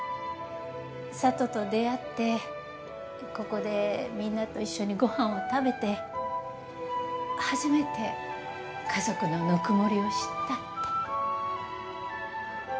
佐都と出会ってここでみんなと一緒にご飯を食べて初めて家族のぬくもりを知ったって。